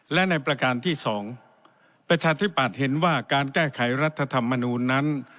และในประการที่๒ประชาธิปัตย์เห็นว่าการแก้ไขรัฐธรรมนูลนั้น